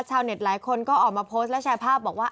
หลายคนก็ออกมาโพสต์และแชร์ภาพบอกว่า